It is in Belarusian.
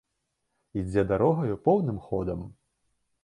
Ідзе дарогаю поўным ходам.